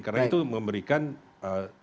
karena itu memberikan semacam